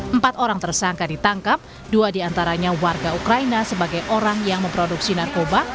empat orang tersangka ditangkap dua diantaranya warga ukraina sebagai orang yang memproduksi narkoba